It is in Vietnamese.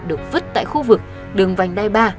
được vứt tại khu vực đường vành đai ba